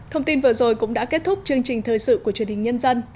thông tin vừa rồi cũng đã kết thúc chương trình thời sự của truyền hình nhân dân